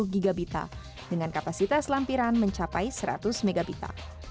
lima puluh gigabita dengan kapasitas lampiran mencapai seratus megabita